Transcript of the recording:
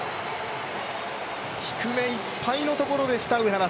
低めいっぱいのところでした。